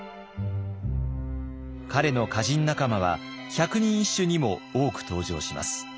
彼の歌人仲間は百人一首にも多く登場します。